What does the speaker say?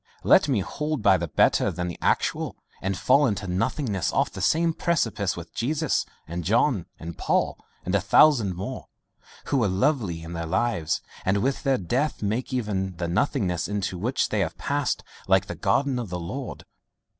Let me hold by the better than the actual, and fall into nothingness off the same precipice with Jesus and John and Paul and a thousand more, who were lovely in their lives, and with their death make even the nothingness into which they have passed like the garden of the Lord.